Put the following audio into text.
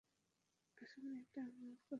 আসলে এটা আমার প্রথম ডিজাইন।